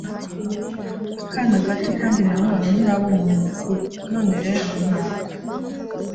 akana gato kandi nanone nturaba umuntu mukuru. none rero ntabwo